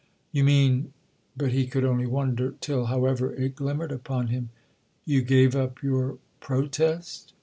"You mean—?" But he could only wonder—till, however, it glimmered upon him. "You gave up your protest?"